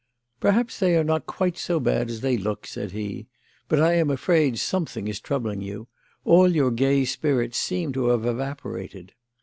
"Perhaps they are not quite so bad as they look," said he. "But I am afraid something is troubling you. All your gay spirits seem to have evaporated."